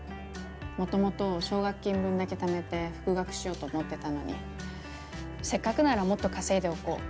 もともと奨学金分だけ貯めて復学しようと思ってたのにせっかくならもっと稼いでおこう